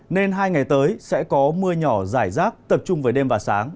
nên hai ngày tới sẽ có mưa nhỏ dài rác tập trung với đêm và sáng